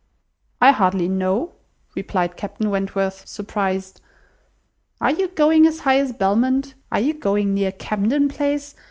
"I hardly know," replied Captain Wentworth, surprised. "Are you going as high as Belmont? Are you going near Camden Place?